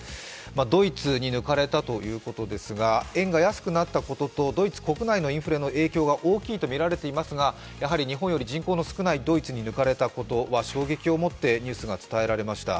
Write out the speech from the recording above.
ドイツに抜かれたということですが円が安くなったこととドイツ国内のインフレの影響が大きいといわれていますがやはり日本より人口の少ないドイツに抜かれたことは衝撃を持ってニュースが伝えられました。